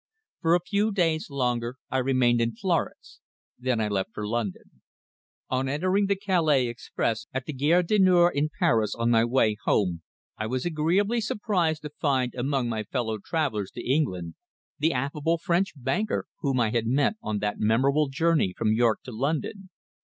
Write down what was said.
For a few days longer I remained in Florence; then I left for London. On entering the Calais express at the Gare du Nord in Paris on my way home, I was agreeably surprised to find among my fellow travellers to England the affable French banker whom I had met on that memorable journey from York to London.